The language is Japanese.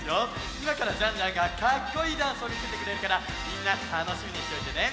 いまからジャンジャンがかっこいいダンスをみせてくれるからみんなたのしみにしといてね！